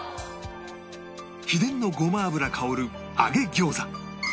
秘伝のごま油香る揚げ餃子